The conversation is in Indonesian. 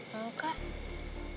hari mau kak